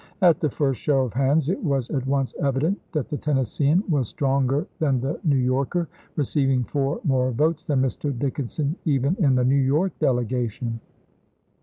At the first show of hands it was at once evident that the Tennessean was stronger than the New Yorker, receiving four more June s, 1864. votes than Mr. Dickinson even in the New York delegation.